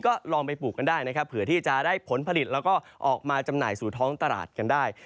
ก็ลองไปปลูกกันได้นะครับเผื่อที่จะได้ผลผลิตแล้วก็ออกมาจำหน่ายสู่ท้องตลาดกันได้